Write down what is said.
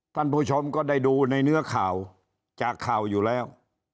ท่านผู้ชมก็ได้ดูในเนื้อข่าวจากข่าวอยู่แล้ว